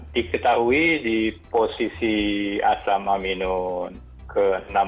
diketahui di posisi asam amino ke enam ratus empat belas